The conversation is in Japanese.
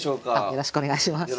よろしくお願いします。